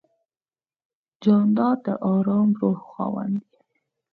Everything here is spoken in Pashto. جانداد د آرام روح خاوند دی.